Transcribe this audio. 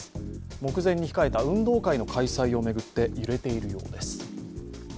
目前に控えた運動会の開催を巡って揺れているようです。